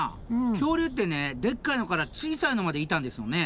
恐竜ってねでっかいのから小さいのまでいたんですよね？